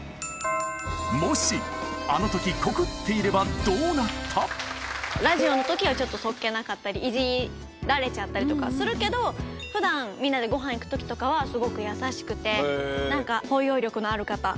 もし、あのとき告っていればラジオのときはちょっとそっけなかったり、いじられちゃったりとかするけど、ふだん、みんなでごはん行くときとかはすごく優しくて、なんか、包容力のある方。